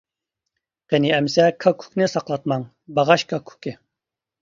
قېنى ئەمسە كاككۇكنى ساقلاتماڭ. باغاش كاككۇكى!